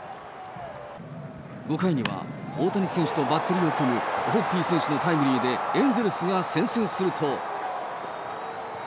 ５回には大谷選手とバッテリーを組むオホッピー選手のタイムリーで、エンゼルスが先制すると。